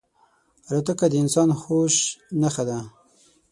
الوتکه د انسان د هوش نښه ده.